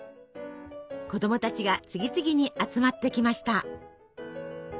子どもたちが次々に集まってきました。